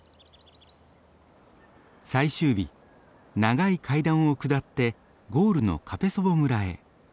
最終日長い階段を下ってゴールのカペソヴォ村へ。